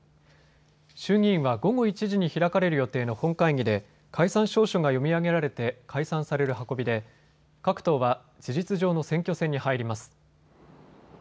衆議院は午後１時に開かれる予定の本会議で解散詔書が読み上げられて解散される運びで各党は事実上の選挙戦に入ります。